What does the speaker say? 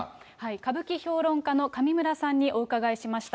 歌舞伎評論家の上村さんにお伺いしました。